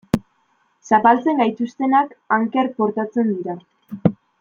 Zapaltzen gaituztenak anker portatzen dira.